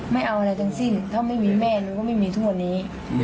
ไม่เอาอะไรทั้งสิ้นถ้าไม่มีแม่หนูก็ไม่มีทุกวันนี้